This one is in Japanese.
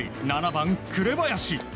７番、紅林。